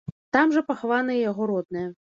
Там жа пахаваныя яго родныя.